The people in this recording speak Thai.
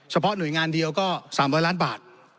หน่วยงานเดียวก็๓๐๐ล้านบาท